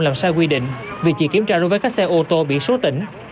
làm sai quy định vì chỉ kiểm tra đối với các xe ô tô bị sốt tỉnh